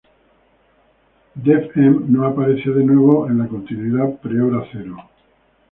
Dev-Em no apareció de nuevo en la continuidad pre-Hora Cero.